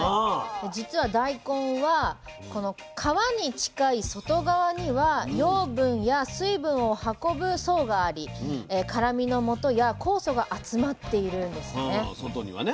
実は大根はこの皮に近い外側には養分や水分を運ぶ層があり辛みのもとや酵素が集まっているんですね。